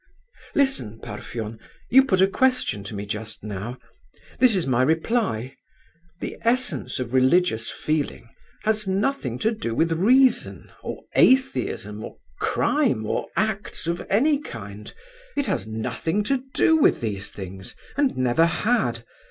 "Listen, Parfen; you put a question to me just now. This is my reply. The essence of religious feeling has nothing to do with reason, or atheism, or crime, or acts of any kind—it has nothing to do with these things—and never had.